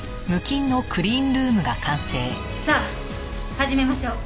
さあ始めましょう。